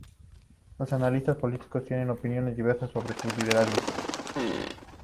Los analistas políticos tienen opiniones divergentes sobre su liderazgo.